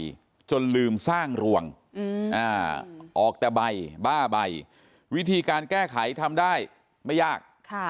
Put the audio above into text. จนลืมสร้างรวงออกแต่ใบบ้าใบวิธีการแก้ไขทำได้ไม่ยาก